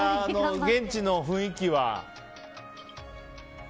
現地の雰囲気は。